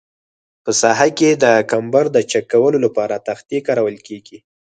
په ساحه کې د کمبر د چک کولو لپاره تختې کارول کیږي